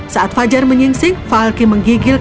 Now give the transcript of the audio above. saat fajar menyingsing falky menggigil